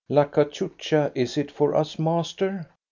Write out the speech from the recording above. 'La cachucha, is it for us, master?